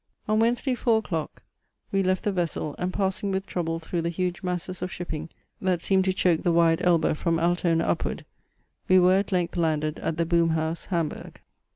On Wednesday, four o'clock, we left the vessel, and passing with trouble through the huge masses of shipping that seemed to choke the wide Elbe from Altona upward, we were at length landed at the Boom House, Hamburg.